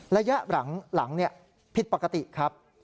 ระยะหลังผิดปกติครับ